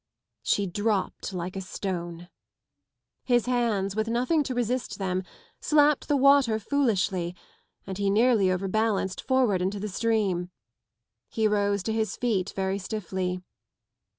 ... She dropped like a stone. His hands, with nothing to resist them, slapped the water foolishly and he nearly overbalanced forward into the steam. He rose to his feet very stiffly.